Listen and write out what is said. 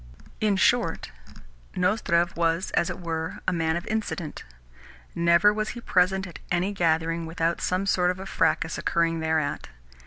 In short, Nozdrev was, as it were, a man of incident. Never was he present at any gathering without some sort of a fracas occurring thereat.